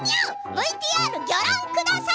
ＶＴＲ、ギョ覧ください。